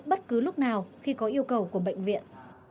bất cứ lúc nào khi có yêu cầu của bệnh viện